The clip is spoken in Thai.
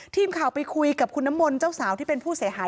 ทีมข่าวไปคุยกับคุณน้ำมนต์เจ้าสาวที่เป็นผู้เสียหาย